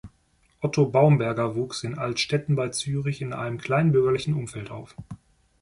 Otto Baumberger wuchs in Altstetten bei Zürich in einem kleinbürgerlichen Umfeld auf.